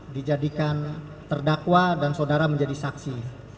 dijadikan terdakwa dan saudara menjadi saksi